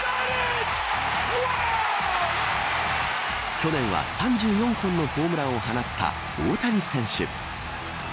去年は３４本のホームランを放った大谷選手。